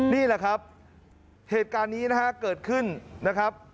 นี่แหละครับเหตุการณ์นี้นะฮะเกิดขึ้นนะครับ